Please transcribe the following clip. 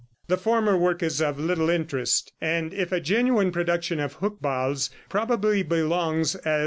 The former work is of little interest, and if a genuine production of Hucbald's, probably belongs, as M.